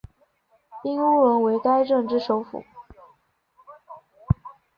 彬乌伦为该镇之首府。